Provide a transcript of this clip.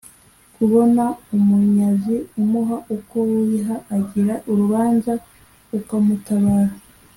Kubona umunyazi umuha uko wiha Agira urubanza ukamutabara